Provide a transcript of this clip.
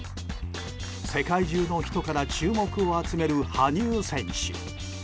世界中の人から注目を集める羽生選手。